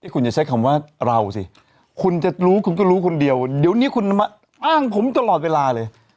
คุณอย่าใช้คำว่าเราสิคุณก็รู้คนเดียวดีวนี้คุณอ้างผมตลอดเวลาเลย